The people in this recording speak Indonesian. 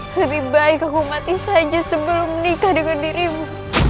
lebih baik aku mati saja sebelum nikah dengan dirimu